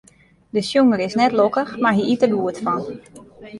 De sjonger is net lokkich, mar hy yt der goed fan.